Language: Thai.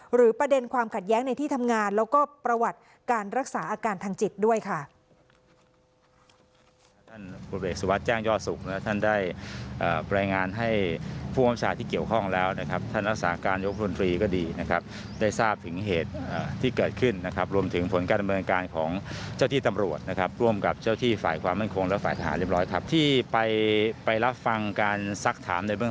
ประเด็นความขัดแย้งในที่ทำงานแล้วก็ประวัติการรักษาอาการทางจิตด้วยค่ะ